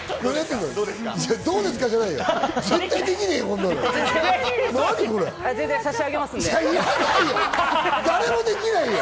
どうですかじゃないよ！